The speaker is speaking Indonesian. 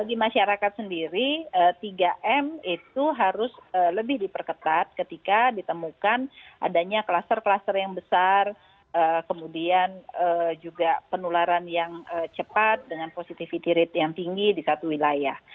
bagi masyarakat sendiri tiga m itu harus lebih diperketat ketika ditemukan adanya kluster kluster yang besar kemudian juga penularan yang cepat dengan positivity rate yang tinggi di satu wilayah